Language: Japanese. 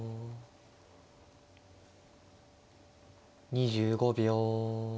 ２５秒。